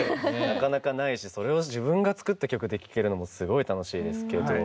なかなかないしそれを自分が作った曲で聴けるのもすごい楽しいですけど。